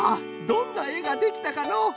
どんなえができたかのう？